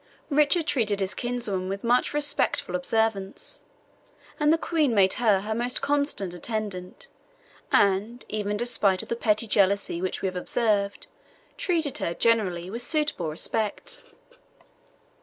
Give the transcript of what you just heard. Richard treated his kinswoman with much respectful observance, and the Queen made her her most constant attendant, and, even in despite of the petty jealousy which we have observed, treated her, generally, with suitable respect.